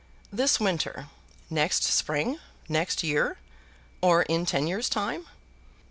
"This winter? Next spring? Next year? or in ten years' time?"